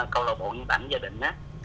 câu lạc bộ ảnh gia đình á